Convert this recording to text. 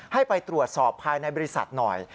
ให้ไปตรวจสอบภายในบริษัทหน่อย